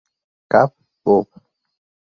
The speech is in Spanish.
Cab, Bob?